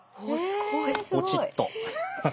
ポチッと。